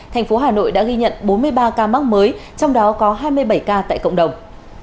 thành phố hà nội đã ghi nhận bốn mươi ba ca mắc mới trong đó có hai mươi bảy ca tại cộng đồng